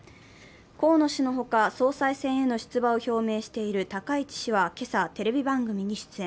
河野氏の他、総裁選への出馬を表明している高市氏は今朝、テレビ番組に出演。